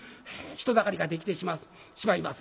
人だかりができてしまいます。